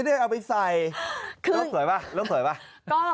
เรื่องสวยปะเรื่องสวยปะ